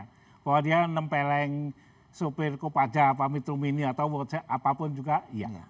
bahwa dia enam peleng sopir kopaja atau mitrum ini atau apapun juga iya